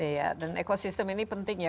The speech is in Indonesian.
iya dan ekosistem ini penting ya